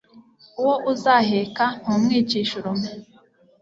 uwo uzaheka ntumwicisha urume